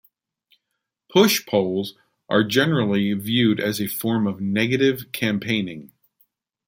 Push polls are generally viewed as a form of negative campaigning.